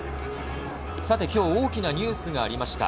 今日大きなニュースがありました。